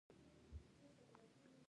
هو که کارکوونکی بې ګناه ثابت شي.